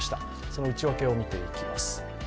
その内訳を見ていきます。